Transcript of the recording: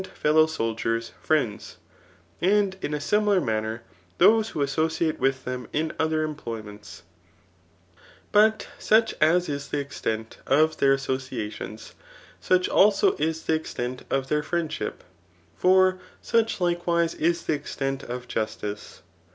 Men, therefore, call th^ fellow sailors, and fellow soldiers friends, and in a ;$imilar manner those who associate with them ia other employments. But such as is the extent of their associations, such also is the extent of their friendship ; for such likewise is the extent of justice.